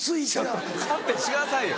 勘弁してくださいよ！